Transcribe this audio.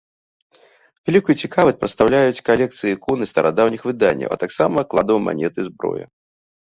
Вялікую цікавасць прадстаўляюць калекцыі ікон і старадаўніх выданняў, а таксама кладаў манет і зброі.